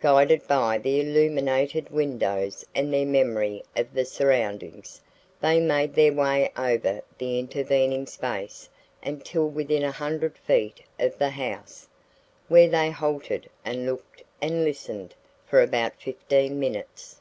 Guided by the illuminated windows and their memory of the surroundings, they made their way over the intervening space until within a hundred feet of the house, where they halted and looked and listened for about fifteen minutes.